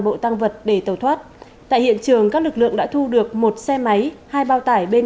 bộ tăng vật để tẩu thoát tại hiện trường các lực lượng đã thu được một xe máy hai bao tải bên